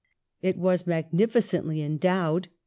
It was magnificently endowed.